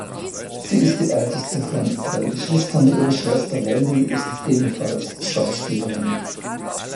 Sie ist die älteste von drei Geschwistern, ihre Schwester Wendy ist ebenfalls Schauspielerin.